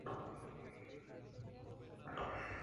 Con este club debutó en la Premier League.